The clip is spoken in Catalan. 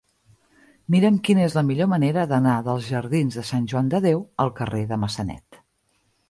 Mira'm quina és la millor manera d'anar dels jardins de Sant Joan de Déu al carrer de Massanet.